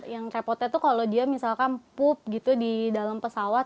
yang repotnya tuh kalau dia misalkan pup gitu di dalam pesawat